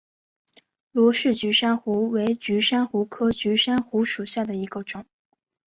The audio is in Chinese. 罗氏菊珊瑚为菊珊瑚科菊珊瑚属下的一个种。